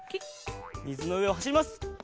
みずのうえをはしります！